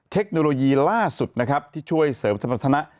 เทคโนโลยีล่าสุดนะครับที่ช่วยเสริมสมรรถนะ